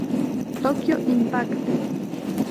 Tokyo Impact!